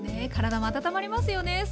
体も温まりますよね。